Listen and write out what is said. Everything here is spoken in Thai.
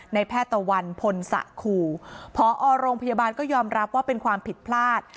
แพทย์ตะวันพลสะขู่พอโรงพยาบาลก็ยอมรับว่าเป็นความผิดพลาด